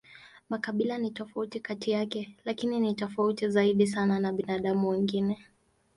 Makabila ni tofauti kati yake, lakini ni tofauti zaidi sana na binadamu wengine.